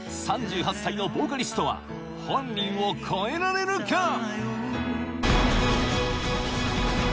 ３８歳のボーカリストは本人を超えられるか？